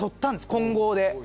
混合で。